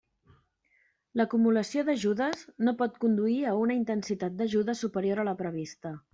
L'acumulació d'ajudes no pot conduir a una intensitat d'ajuda superior a la prevista.